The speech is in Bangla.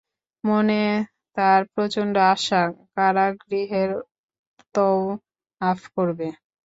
মনে তার প্রচণ্ড আশা, কাবা গৃহের তওয়াফ করবে।